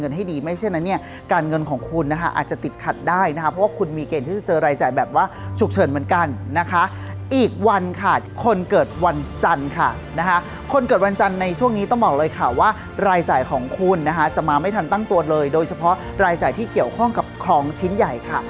คนเกิดวันจันทร์ค่ะนะคะคนเกิดวันจันทร์ในช่วงนี้ต้องบอกเลยค่ะว่ารายจ่ายของคุณนะคะจะมาไม่ทันตั้งตัวเลยโดยเฉพาะรายจ่ายที่เกี่ยวข้องกับคลองชิ้นใหญ่ค่ะ